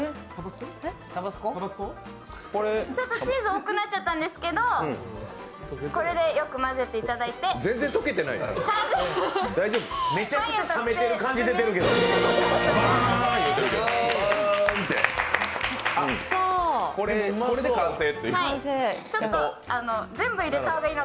ちょっとチーズ多くなっちゃったんですけど、これでよく混ぜていただいて完成です！